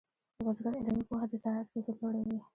د بزګر علمي پوهه د زراعت کیفیت لوړوي.